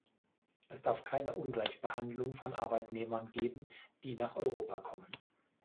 Es darf keine Ungleichbehandlung von Arbeitnehmern geben, die nach Europa kommen.